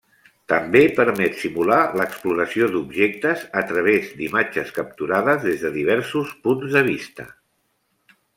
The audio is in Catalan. També permet simular l'exploració d'objectes, a través d'imatges capturades des de diversos punts de vista.